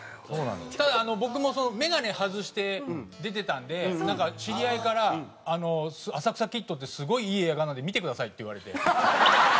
ただ僕も眼鏡外して出てたんで知り合いから「『浅草キッド』ってすごいいい映画なので見てください」って言われて。